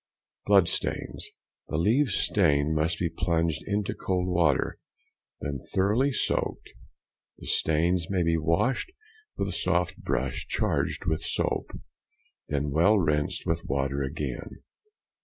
Blood stains.—The leaves stained must be plunged into cold water; when thoroughly soaked, the stains may be washed with a soft brush charged with soap, then well rinsed with water again.